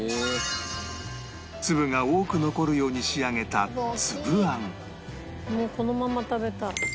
粒が多く残るように仕上げたもうこのまま食べたい。